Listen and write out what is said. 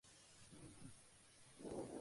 La pintura está ejecutada al temple sobre madera.